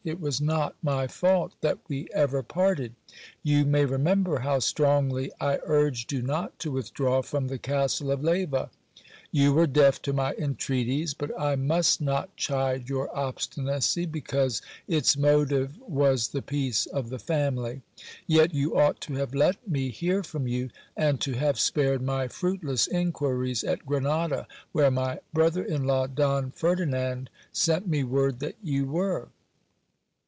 It was not my fault that we ever parted. You nay remember how strongly I urged you not to withdraw from the Castle of Leyva. You were deaf to my entreaties. But I must not chide your obstinacy, >ecause its motive was the peace of the family. Yet you ought to have let me lear from you, and to have spared my fruitless inquiries at Grenada, where my jrother in law, Don Ferdinand, sent me word that you were.